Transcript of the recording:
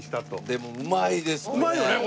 でもうまいですね。